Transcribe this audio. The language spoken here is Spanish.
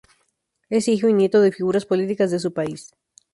Es hijo y nieto de figuras políticas de su país.